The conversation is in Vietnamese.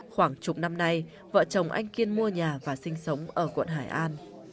khoảng chục năm nay vợ chồng anh kiên mua nhà và sinh sống ở quận hải an